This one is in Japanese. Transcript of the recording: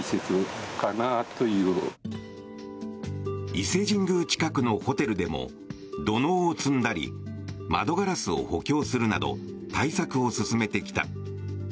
伊勢神宮近くのホテルでも土のうを積んだり窓ガラスを補強するなど対策を進めてきた。